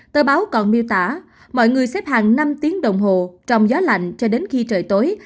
tờ báo còn miêu tả mọi người xếp hàng năm tiếng đồng hồ trong gió lạnh cho đến khi trời tối